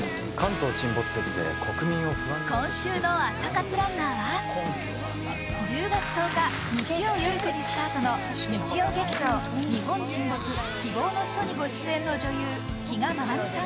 今週の朝活ランナーは、１０月１０日日曜夜９時スタートの日曜劇場「日本沈没−希望のひと−」にご出演の女優・比嘉愛未さん。